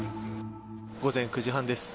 午前９時半です。